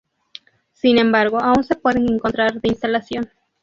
Sin embargo aún se pueden encontrar de instalación.